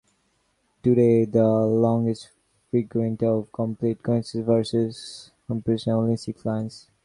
Today the longest fragment of complete, consecutive verses comprises only six lines.